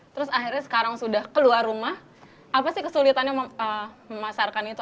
terus akhirnya sekarang sudah keluar rumah apa sih kesulitannya memasarkan itu